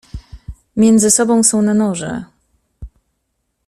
"Między sobą są na noże."